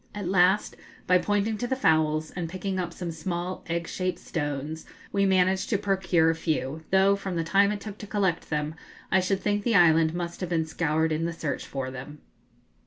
At last, by pointing to the fowls and picking up some small egg shaped stones, we managed to procure a few, though, from the time it took to collect them, I should think the island must have been scoured in the search for them.